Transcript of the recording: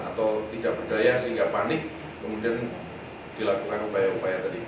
atau tidak berdaya sehingga panik kemudian dilakukan upaya upaya tadi